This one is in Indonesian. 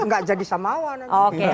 tidak jadi samawa nanti